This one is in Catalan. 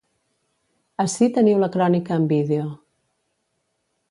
Ací teniu la crònica en vídeo.